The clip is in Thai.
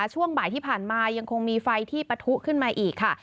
ช่วงบ่ายที่ผ่านมายังคงมีไฟที่ปะทุขึ้นมาอีกค่ะ